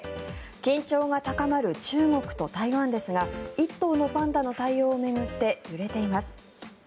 緊張が高まる中国と台湾ですが１頭のパンダの対応を巡って揺れています。